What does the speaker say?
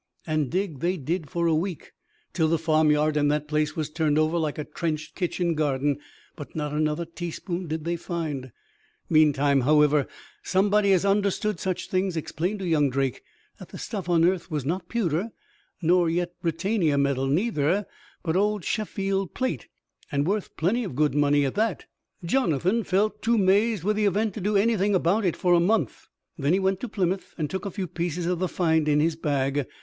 And dig they did for a week, till the farmyard in that place was turned over like a trenched kitchen garden. But not another teaspoon did they find. Meantime, however, somebody as understood such things explained to young Drake that the stuff unearthed was not pewter, nor yet Britannia metal neither, but old Sheffield plate, and worth plenty of good money at that. Jonathan felt too mazed with the event to do anything about it for a month; then he went to Plymouth, and took a few pieces of the find in his bag.